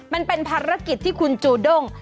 มันเป็นภารกิจที่คุณจูด้ง